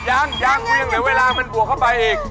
ยังเดี๋ยวเวลามันบวกเข้าไปอีก